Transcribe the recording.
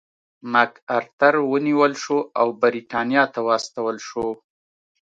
مک ارتر ونیول شو او برېټانیا ته واستول شو.